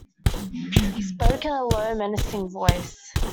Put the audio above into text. He spoke in a low, menacing voice.